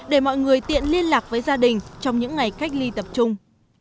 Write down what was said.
để mọi người tiện liên lạc với gia đình trong những ngày cách ly tập trung